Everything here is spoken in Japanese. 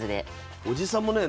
おじさんもね